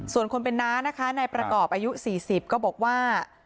ส่วนคนเป็นน้านะคะนายประกอบอายุ๔๐ก็บอกว่า